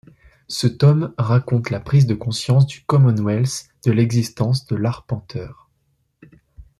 Ce tome raconte la prise de conscience du Commonwealth de l'existence de l'Arpenteur.